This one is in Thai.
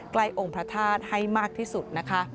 ใกล้องค์พระทาศรีให้มากที่สุด